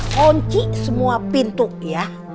kunci semua pintu ya